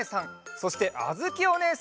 そしてあづきおねえさんのえ！